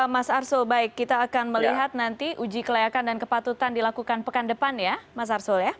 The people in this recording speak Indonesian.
mas arsul baik kita akan melihat nanti uji kelayakan dan kepatutan dilakukan pekan depan ya mas arsul ya